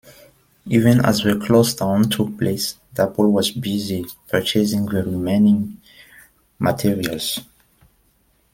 Even as the closedown took place, Dapol was busy purchasing the remaining materials.